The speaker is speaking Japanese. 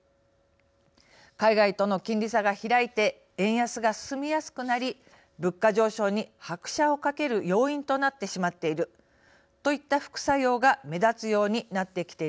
海外との金利差が開いて円安が進みやすくなり物価上昇に拍車をかける要因となってしまっているといった副作用が目立つようになってきているからです。